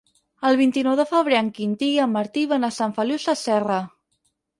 El vint-i-nou de febrer en Quintí i en Martí van a Sant Feliu Sasserra.